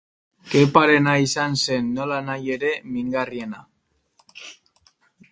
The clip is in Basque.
Keparena izan zen, nolanahi ere, mingarriena.